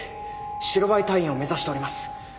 白バイ隊員を目指しております。